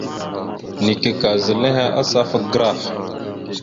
Neke ka zal henne asafa gərah.